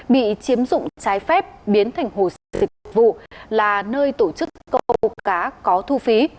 bị chiếm dụng trái phép biến thành hồ sơ dịch vụ là nơi tổ chức câu cá có thu phí